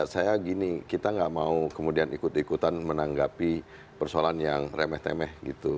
saya gini kita nggak mau kemudian ikut ikutan menanggapi persoalan yang remeh temeh gitu